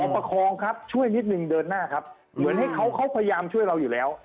ประคองครับช่วยนิดนึงเดินหน้าครับเหมือนให้เขาเขาพยายามช่วยเราอยู่แล้ว